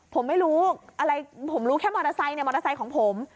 ผมรู้แค่มอเตอร์ไซค์มอเตอร์ไซค์ของผม